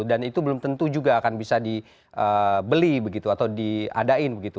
dan itu belum tentu juga akan bisa dibeli begitu atau diadain begitu